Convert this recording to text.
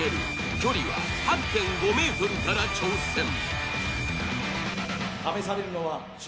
距離は８．５ｍから挑戦